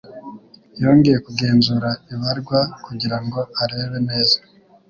Yongeye kugenzura ibarwa kugirango arebe neza.